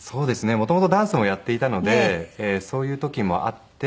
元々ダンスもやっていたのでそういう時もあって。